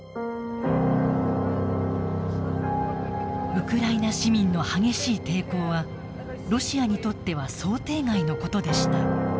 ウクライナ市民の激しい抵抗はロシアにとっては想定外のことでした。